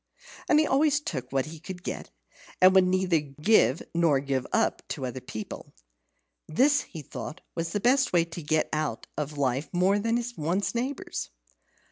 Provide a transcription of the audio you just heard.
He always took what he could get, and would neither give nor give up to other people. This, he thought, was the way to get more out of life than one's neighbours.